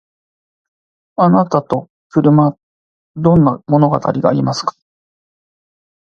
あなたと車どんな物語がありますか？